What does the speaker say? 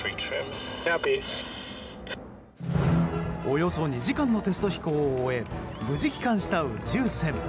およそ２時間のテスト飛行を終え無事、帰還した宇宙船。